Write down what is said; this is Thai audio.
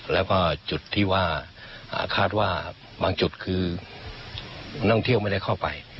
แล้วก็จุดที่ว่าคาดว่าบางจุดคือนักท่องเที่ยวไม่ได้เข้าไป